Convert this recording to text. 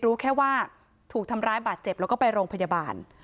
รู้แค่ว่าถูกทำร้ายบาดเจ็บแล้วก็ไปโรงพยาบาล